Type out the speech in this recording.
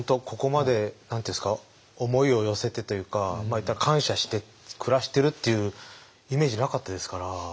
ここまで何て言うんですか思いを寄せてというかまあ言ったら感謝して暮らしてるっていうイメージなかったですから